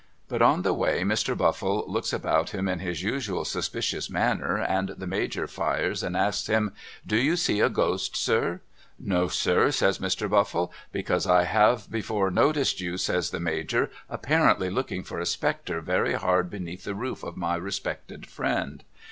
But on the way Mr. Buffle looks about him in his usual suspicious manner and the Major fires and asks him ' Do you see a Ghost sir ?'' No sir ' says Mr. Buffle. ' Because I have before noticed you ' says the Major ' apparently looking for a spectre very hard beneath the roof of my respected friend.